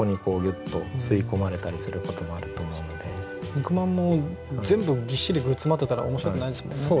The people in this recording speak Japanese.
肉まんも全部ぎっしり具詰まってたら面白くないですもんね。